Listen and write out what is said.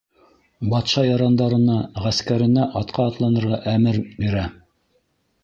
Батша ярандарына, ғәскәренә атҡа атланырға әмер бирә.